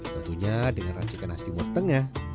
tentunya dengan rancangan nasi timur tengah